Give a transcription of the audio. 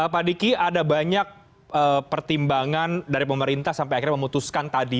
pak diki ada banyak pertimbangan dari pemerintah sampai akhirnya memutuskan tadi